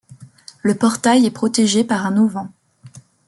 Le portail est protégé par un auvent.